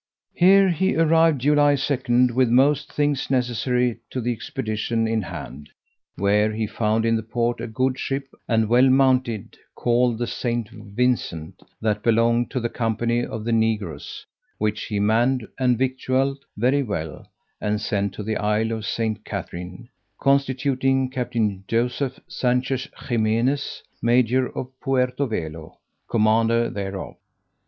Here he arrived July 2, with most things necessary to the expedition in hand, where he found in the port a good ship, and well mounted, called the St. Vincent, that belonged to the company of the negroes, which he manned and victualled very well, and sent to the isle of St. Catherine, constituting Captain Joseph Sanchez Ximenez, major of Puerto Velo, commander thereof.